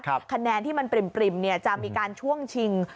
คะแนนที่มันปริ่มจะมีการช่วงชิง